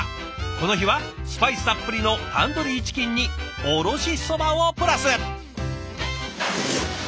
この日はスパイスたっぷりのタンドリーチキンにおろしそばをプラス。